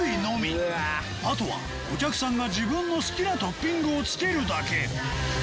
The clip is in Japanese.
あとはお客さんが自分の好きなトッピングを付けるだけ